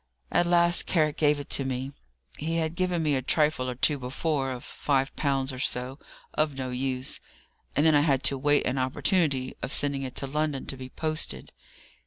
At last Carrick gave it me he had given me a trifle or two before, of five pounds or so, of no use and then I had to wait an opportunity of sending it to London to be posted.